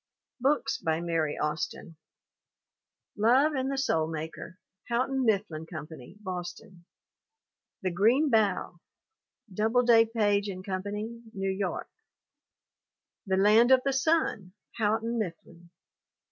BOOKS BY MARY AUSTIN Love and the Soul Maker, Houghton Mifflin Com pany, Boston. The Green Bough. Doubleday, Page & Company, New York. The Land of the Sun, Houghton Mifflin.